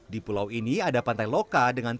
di pulau ini ada pantai loka dengan teluk yang sangat keras